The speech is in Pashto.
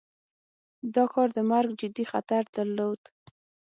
دا کار د مرګ جدي خطر درلود.